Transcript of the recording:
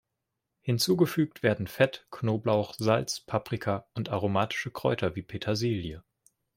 Hinzugefügt werden Fett, Knoblauch, Salz, Paprika und aromatische Kräuter wie Petersilie.